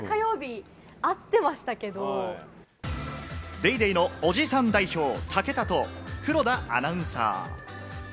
『ＤａｙＤａｙ．』のおじさん代表・武田と黒田アナウンサー。